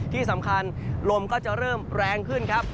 ที่สำคัญลมก็จะเริ่มแรงขึ้นครับ